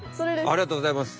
ありがとうございます。